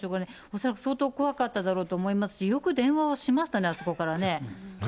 恐らく相当怖かっただろうと思いますし、よく電話をしましたね、あそこからね。